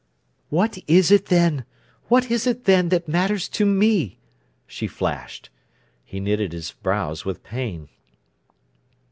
"What is it, then—what is it, then, that matters to me?" she flashed. He knitted his brows with pain.